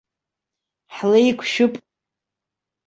Ҳлеиқәшәып!